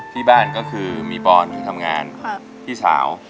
ที่บ้านก็คือมีปอนที่ทำงานพี่สาว